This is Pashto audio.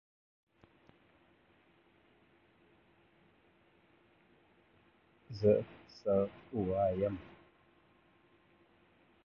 غواړم ژبه مې وګنډم